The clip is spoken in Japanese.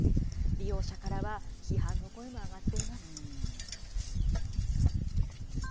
利用者からは批判の声も上がっています。